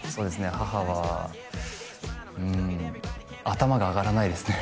母はうん頭が上がらないですね